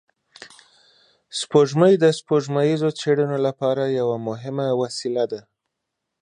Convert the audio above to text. سپوږمۍ د سپوږمیزو څېړنو لپاره یوه مهمه وسیله ده